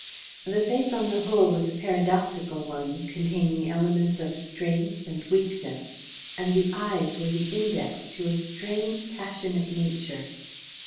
The face, on the whole, was a paradoxical one, containing elements of strength and weakness, and the eyes were the index to a strange passionate nature.